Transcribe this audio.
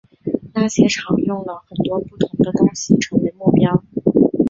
那些场用了很多不同的东西成为目标。